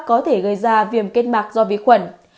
có thể gây ra viêm kết mạc do vi khuẩn